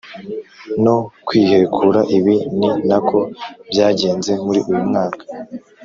no kwihekura, ibi ni nako byagenze muri uyu mwaka